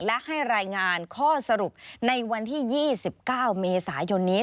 และให้รายงานข้อสรุปในวันที่๒๙เมษายนนี้